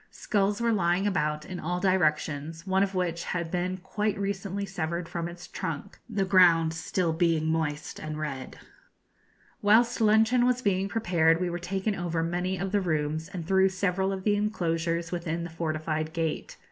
Skulls were lying about in all directions, one of which had been quite recently severed from its trunk, the ground being still moist and red. Whilst luncheon was being prepared we were taken over many of the rooms and through several of the enclosures within the fortified gate.